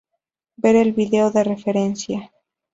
Ver el video de referencia.